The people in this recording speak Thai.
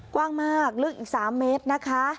กว้างมากลึกอีก๓เมตรนะคะ